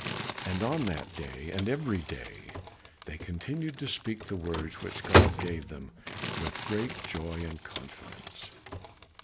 And on that day and every day they continued to speak the words which God gave them with great joy and confidence.